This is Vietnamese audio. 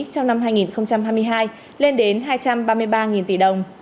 trong năm hai nghìn hai mươi hai lên đến hai trăm ba mươi ba tỷ đồng